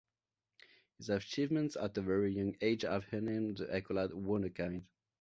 His achievements at a very young age have earned him the accolade "wunderkind".